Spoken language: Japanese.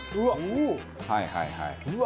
はいはいはい。